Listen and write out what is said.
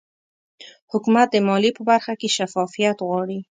حکومت د مالیې په برخه کې شفافیت غواړي